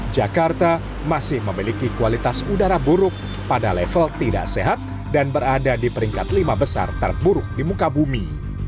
jakarta masih memiliki kualitas udara buruk pada level tidak sehat dan berada di peringkat lima besar terburuk di muka bumi